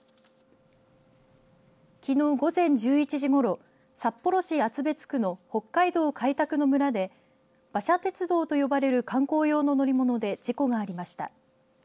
きのう午前１１時ごろ札幌市厚別区の北海道開拓の村で馬車鉄道と呼ばれる観光用の乗り物で事故がありました。